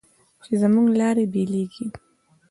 چې زموږ لارې بېلېږي